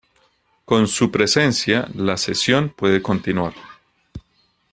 Con su presencia, la sesión puede continuar.